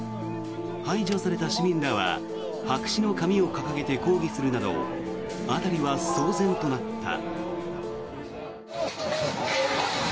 排除された市民らは白紙の紙を掲げて抗議するなど辺りは騒然となった。